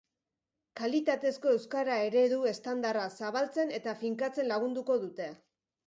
Kalitatezko euskara-eredu estandarra zabaltzen eta finkatzen lagunduko dute.